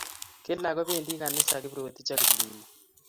Kila kopendi ganisa Kiprotich ak Kiplimo.